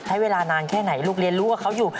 ใช้เวลานานแค่ไหนลูกเรียนรู้ว่าเขาอยู่